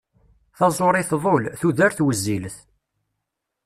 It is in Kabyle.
Taẓuri tḍul, tudert wezzilet.